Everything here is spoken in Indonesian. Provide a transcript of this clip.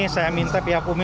saya minta pihak umi